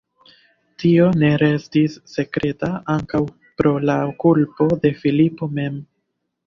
Tio ne restis sekreta ankaŭ pro la kulpo de Filipo mem.